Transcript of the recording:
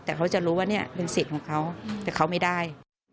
แต่เขาจะรู้ว่าเนี่ยเป็นสิทธิ์ของเขาแต่เขาไม่ได้